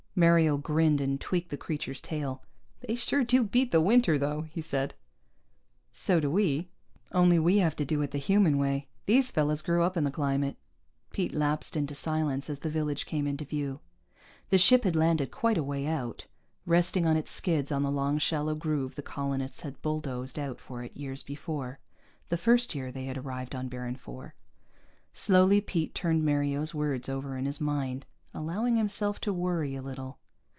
Mario grinned and tweaked the creature's tail. "They sure do beat the winter, though," he said. "So do we. Only we have to do it the human way. These fellas grew up in the climate." Pete lapsed into silence as the village came into view. The ship had landed quite a way out, resting on its skids on the long shallow groove the colonists had bulldozed out for it years before, the first year they had arrived on Baron IV. Slowly Pete turned Mario's words over in his mind, allowing himself to worry a little.